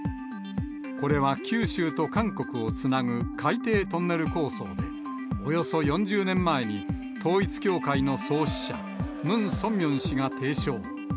これは九州と韓国をつなぐ海底トンネル構想で、およそ４０年前に、統一教会の創始者、ムン・ソンミョン氏が提唱。